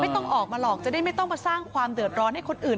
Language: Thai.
ต้องออกมาหรอกจะได้ไม่ต้องมาสร้างความเดือดร้อนให้คนอื่น